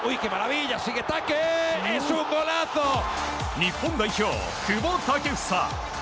日本代表、久保建英。